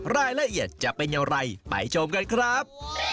รายละเอียดจะเป็นอย่างไรไปชมกันครับ